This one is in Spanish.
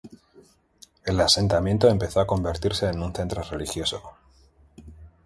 El asentamiento empezó a convertirse en un centro religioso.